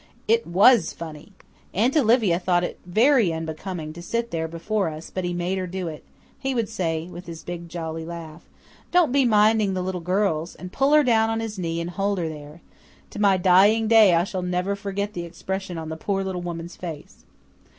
It WAS funny. Aunt Olivia thought it very unbecoming to sit there before us, but he made her do it. He would say, with his big, jolly laugh, "Don't be minding the little girls," and pull her down on his knee and hold her there. To my dying day I shall never forget the expression on the poor little woman's face.